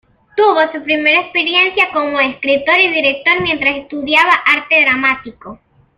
Tuvo su primera experiencia como escritor y director mientras estudiaba arte dramático.